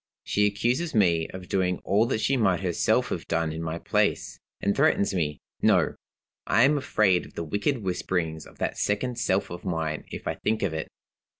She accuses me of doing all that she might herself have done in my place, and threatens me No! I am afraid of the wicked whisperings of that second self of mine if I think of it.